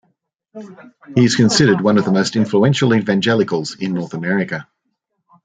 He is considered one of the most influential evangelicals in North America.